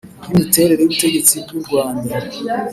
y imiterere y ubutegetsi bw’ u Rwanda